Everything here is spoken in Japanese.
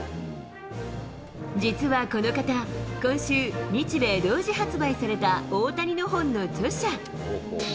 実はこの方、今週、日米同時発売された大谷の本の著者。